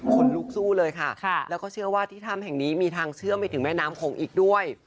คนลุกสู้เลยค่ะแล้วก็เชื่อว่าที่ถ้ำแห่งนี้มีทางเชื่อมไปถึงแม่น้ำโขงอีกด้วย